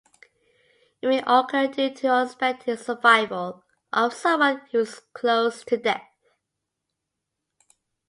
It may occur due to unexpected survival of someone who was close to death.